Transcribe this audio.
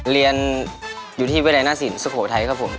เรียนอยู่ที่เวลาน่าสินสุโภไทยครับผม